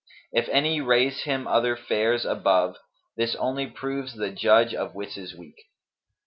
If any raise him other fairs above, * This only proves the judge of wits is weak.'